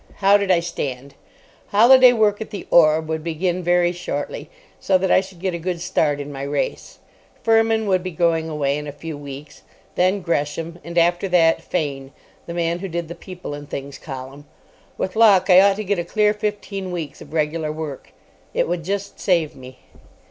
How did I stand? Holiday work at the Orb would begin very shortly, so that I should get a good start in my race. Fermin would be going away in a few weeks, then Gresham, and after that Fane, the man who did the "People and Things" column. With luck I ought to get a clear fifteen weeks of regular work. It would just save me.